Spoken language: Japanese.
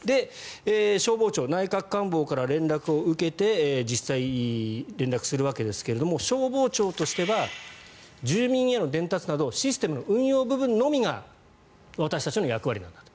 消防庁は内閣官房から連絡を受けて実際、連絡するわけですが消防庁としては住民への伝達などシステムの運用部分のみが私たちの役割なんだと。